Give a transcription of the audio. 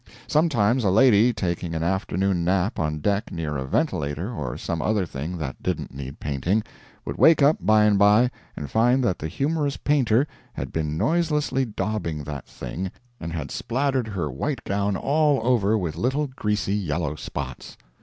Sometimes a lady, taking an afternoon nap on deck near a ventilator or some other thing that didn't need painting, would wake up by and by and find that the humorous painter had been noiselessly daubing that thing and had splattered her white gown all over with little greasy yellow spots.